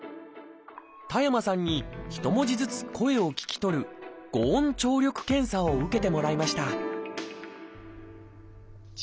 田山さんに一文字ずつ声を聞き取る「語音聴力検査」を受けてもらいました「じ」。